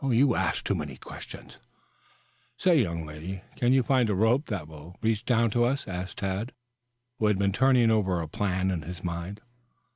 "You ask too many questions." "Say, young lady, can you find a rope that will reach down to us?" asked Tad, who had been turning over a plan in his mind.